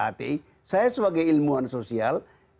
hti saya sebagai ilmuwan sosial